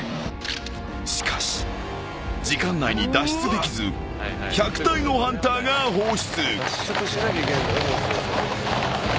［しかし時間内に脱出できず１００体のハンターが放出］